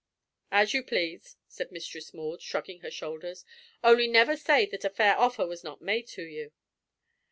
"As you please," said Mistress Maud, shrugging her shoulders, "only never say that a fair offer was not made to you."